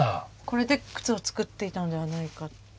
これで靴を作っていたんではないかっていう。